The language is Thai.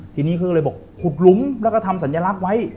ทีนี้เขาก็เลยบอกขุดหลุมแล้วก็ทำสัญลักษณ์ไว้